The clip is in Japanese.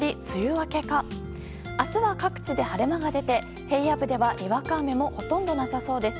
明日は各地で晴れ間が出て平野部ではにわか雨もほとんどなさそうです。